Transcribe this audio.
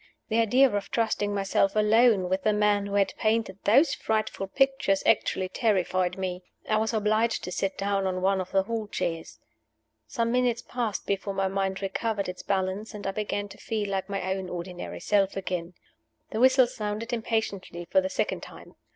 The idea of trusting myself alone with the man who had painted those frightful pictures actually terrified me; I was obliged to sit down on one of the hall chairs. Some minutes passed before my mind recovered its balance, and I began to feel like my own ordinary self again. The whistle sounded impatiently for the second time.